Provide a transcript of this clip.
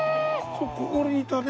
ここにいたね